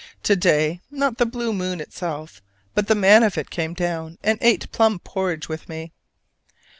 To day, not the Blue moon itself, but the Man of it came down and ate plum porridge with me!